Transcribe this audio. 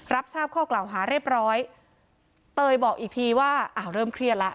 รับทราบข้อกล่าวหาเรียบร้อยเตยบอกอีกทีว่าอ้าวเริ่มเครียดแล้ว